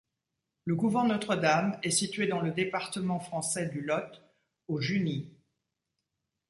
Le couvent Notre-Dame est situé dans le département français du Lot, aux Junies.